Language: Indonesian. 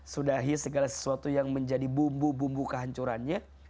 sudahi segala sesuatu yang menjadi bumbu bumbu kehancurannya